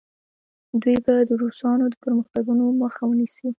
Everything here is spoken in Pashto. دوی به د روسانو د پرمختګونو مخه ونیسي.